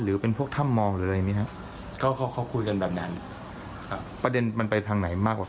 หรือเป็นพวกถ้ำมองหรืออะไรแบบนี้นะครับ